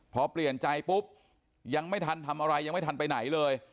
พอเปลี่ยนใจปุ๊บยังไม่ทันทำอะไรยังไม่ทันไปไหนเลย